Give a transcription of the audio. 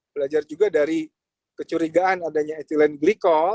belajar juga dari kecurigaan adanya etilen glikol